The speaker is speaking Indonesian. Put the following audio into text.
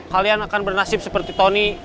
kalian akan bernasib seperti tony